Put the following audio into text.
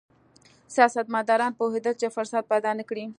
سیاستمداران پوهېدل چې فرصت پیدا نه کړي.